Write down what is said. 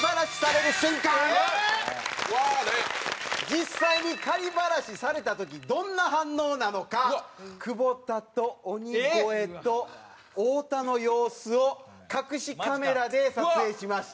実際にバラシされた時どんな反応なのか久保田と鬼越と太田の様子を隠しカメラで撮影しました。